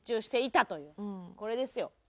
これですよ。